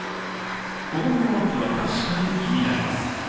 子供の安否は確かに気になります。